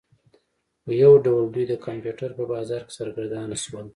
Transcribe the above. خو یو ډول دوی د کمپیوټر په بازار کې سرګردانه شول